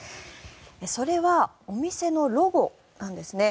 それは、お店のロゴなんですね。